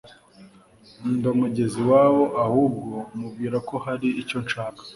ndamugeza iwabo ahubwo mubwira ko hari icyo nshaka